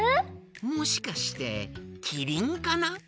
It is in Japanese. もしかしてキリンかな？